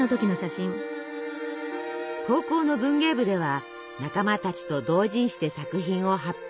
高校の文芸部では仲間たちと同人誌で作品を発表。